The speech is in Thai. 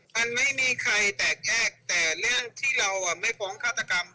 มันไม่มีใครแตกแยกแต่เรื่องที่เราไม่ฟ้องฆาตกรรม